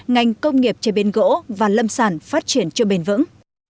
ngành công nghiệp chế biến gỗ và lâm sản phát triển chưa bền vững